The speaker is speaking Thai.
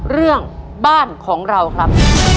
เรื่องบ้านของเราครับ